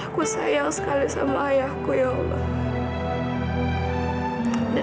aku sayang sekali sama ayahku ya allah